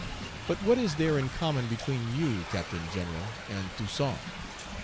But what is there in common between you, Captain General and Toussaint?